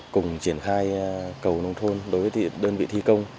cùng triển khai cầu nông thôn đối với đơn vị thi công